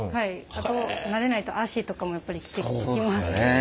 あと慣れないと足とかもやっぱりきます。